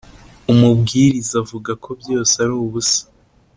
Umubwiriza avuga ko byose ari ubusa